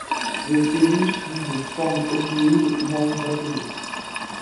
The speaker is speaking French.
Les cellules sont de formes ovoïdes ou en bâtonnet.